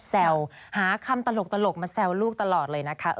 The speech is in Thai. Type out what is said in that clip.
แซวหาคำตลกมาแซวลูกตลอดเลยนะคะ